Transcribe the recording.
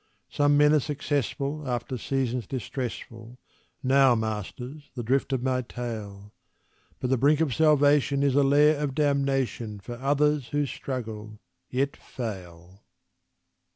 Some men are successful after seasons distressful [Now, masters, the drift of my tale]; But the brink of salvation is a lair of damnation For others who struggle, yet fail.